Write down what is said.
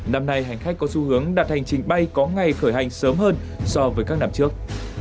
năm nay hành khách có xu hướng đặt hành trình bay có ngày khởi hành sớm hơn so với các năm trước